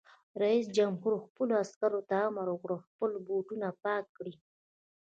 رئیس جمهور خپلو عسکرو ته امر وکړ؛ خپل بوټونه پاک کړئ!